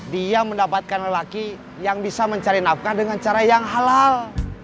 dia mendapatkan lelaki yang bisa mencari nafkah dengan cara yang halal